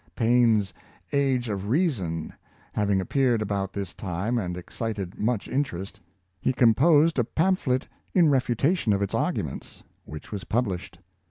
Paine's " Age of Reason " having appeared about this time and excited much interest, he composed a pamphlet in refutation of its arguments, which was published.